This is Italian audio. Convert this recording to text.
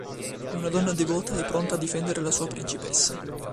È una donna devota e pronta a difendere la sua Principessa.